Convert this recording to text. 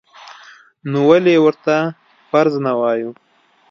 نو ولې ورته فرض نه وایو؟